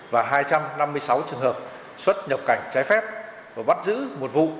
và hai trăm năm mươi sáu trường hợp xuất nhập cảnh trái phép và bắt giữ một vụ